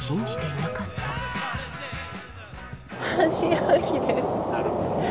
なるほど。